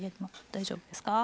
大丈夫ですか。